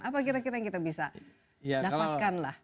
apa kira kira yang kita bisa dapatkan lah